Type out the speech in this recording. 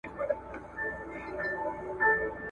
نه زمریو نه پړانګانو سوای نیولای ,